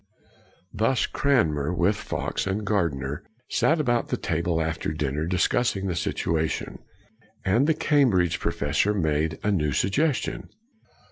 Thus Cranmer and Fox and Gardiner sat about the table after dinner, discussing this situation. And the Cambridge pro fessor made a new suggestion.